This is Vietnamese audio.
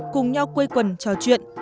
cùng nhau quê quần trò chuyện